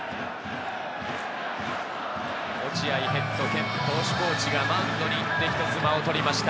落合ヘッド兼投手コーチがマウンドに行って、一つ間を取りました。